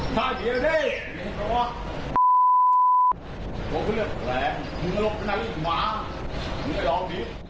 งึงได้เรากรีด